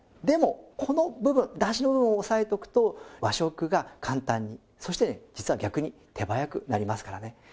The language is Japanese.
でもこの部分だしの部分を押さえておくと和食が簡単にそしてね実は逆に手早くなりますからね。